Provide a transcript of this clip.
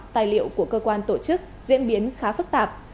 tài liệu của cơ quan tổ chức diễn biến khá phức tạp